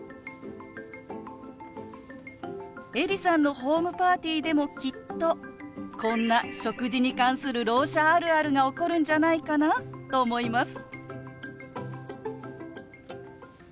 エリさんのホームパーティーでもきっとこんな食事に関するろう者あるあるが起こるんじゃないかなと思います。